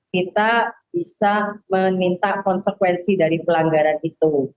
kita bisa meminta konsekuensi dari pelanggaran itu